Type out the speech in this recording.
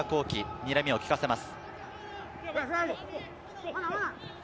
にらみを効かせます。